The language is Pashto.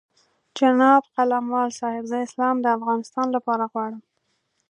جناب قلموال صاحب زه اسلام د افغانستان لپاره غواړم.